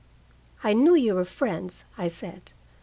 "I knew you were friends," I said.